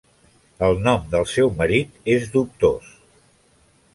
El nom del seu marit és dubtós.